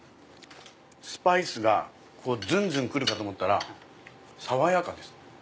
スパイスがずんずん来るかと思ったら爽やかです。